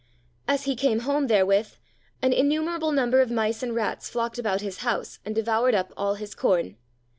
As he came home therewith, an innumerable number of mice and rats flocked about his house and devoured up all his corn.